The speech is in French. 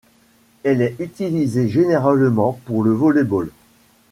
Elle est utilisée généralement pour le volley-ball.